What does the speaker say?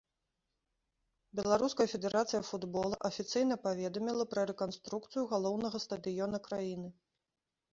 Беларуская федэрацыя футбола афіцыйна паведаміла пра рэканструкцыю галоўнага стадыёна краіны.